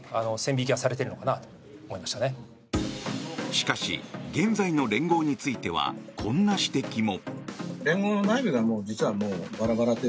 しかし、現在の連合についてはこんな指摘も。